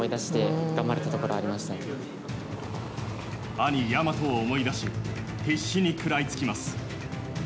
兄・大和を思い出し必死に食らいつきます。